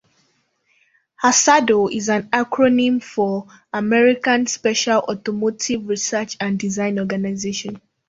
"Asardo" is an acronym for "American Special Automotive Research and Design Organization".